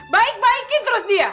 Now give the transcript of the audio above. baik baikin terus dia